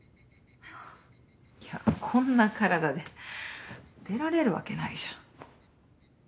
いやこんな体で出られるわけないじゃん。